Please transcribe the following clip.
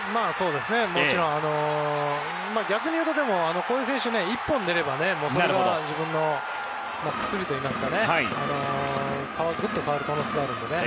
でも、逆に言うとでも、こういう選手は１本出ればそれが自分の薬というか変わる可能性があるのでね。